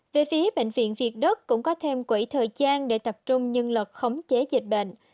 về phía bệnh viện việt đức cũng có thêm quỹ thời gian để tập trung nhân lực khống chế dịch bệnh